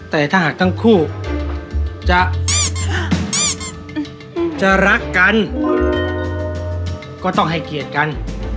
แต่ถ้าหากทั้งคู่จะรักกันก็ต้องให้เกียรติกัน